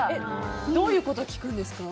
どういうこと聞くんですか。